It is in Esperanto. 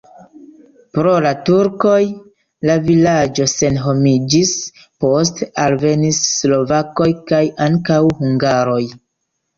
Pro la turkoj la vilaĝo senhomiĝis, poste alvenis slovakoj kaj ankaŭ hungaroj.